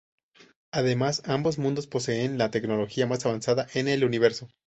Además, ambos mundos poseen la tecnología más avanzada en el universo.